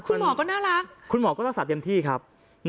คุณหมอก็น่ารักคุณหมอก็รักษาเต็มที่ครับ